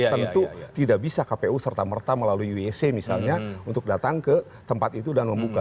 tentu tidak bisa kpu serta merta melalui uec misalnya untuk datang ke tempat itu dan membuka